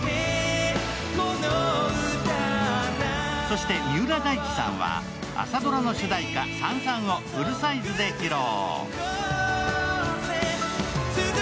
そして、三浦大知さんは朝ドラの主題歌「燦燦」をフルサイズで披露。